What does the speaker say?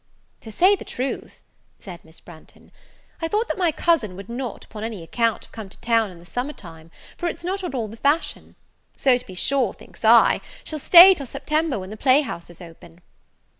"To say the truth," said Miss Branghton, "I thought that my cousin would not, upon any account, have come to town in the summer time; for it's not at all the fashion ; so, to be sure, thinks I, she'll stay till September, when the play houses open."